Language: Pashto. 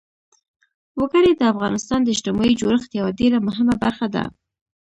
وګړي د افغانستان د اجتماعي جوړښت یوه ډېره مهمه برخه ده.